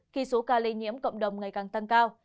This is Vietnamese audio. khi số ca lây nhiễm cộng đồng ngày càng tăng cao